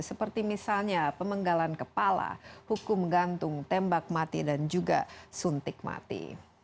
seperti misalnya pemenggalan kepala hukum gantung tembak mati dan juga suntik mati